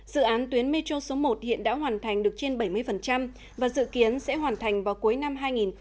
dự án tuyến metro số một hiện đã hoàn thành được trên bảy mươi và dự kiến sẽ hoàn thành vào cuối năm hai nghìn hai mươi